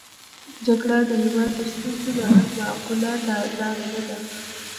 جګړه د هېواد د ستونزو د حل معقوله لاره نه ده.